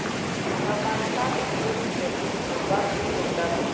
د افغانستان د اولس کلونو د فوټبال ملي لوبډله